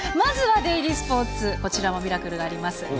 デイリースポーツ、こちらもミラクルがあります。